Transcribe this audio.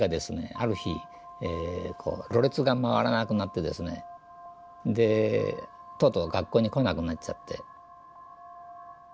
ある日ろれつが回らなくなってですねでとうとう学校に来なくなっちゃって。